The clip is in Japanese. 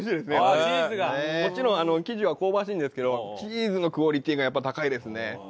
もちろん生地は香ばしいんですけどチーズのクオリティーがやっぱ高いですね。